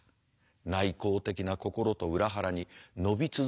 内向的な心と裏腹に伸び続けていく身の丈。